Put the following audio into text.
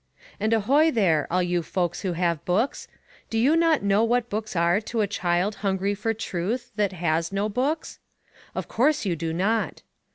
And ahoy there, all you folks who have books! Do you not know what books are to a child hungry for truth, that has no books? Of course you do not!